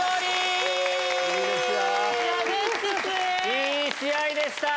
いい試合でした！